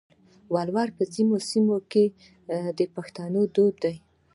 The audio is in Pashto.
ولور په ځینو سیمو کې د پښتنو دود دی.